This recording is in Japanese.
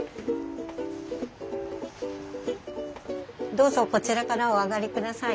どうぞこちらからお上がりください。